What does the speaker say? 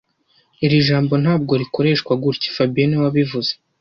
Iri jambo ntabwo rikoreshwa gutya fabien niwe wabivuze